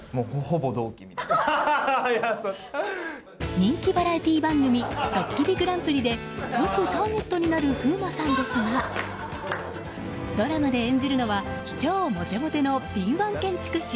人気バラエティー番組「ドッキリＧＰ」でよくターゲットになる風磨さんですがドラマで演じるのは超モテモテの敏腕建築士。